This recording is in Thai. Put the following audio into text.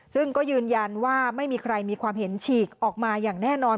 ซึ่งก็ยืนยันว่าไม่มีใครมีความเห็นฉีกออกมาอย่างแน่นอน